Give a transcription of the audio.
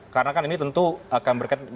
karena kan ini tentu akan berkait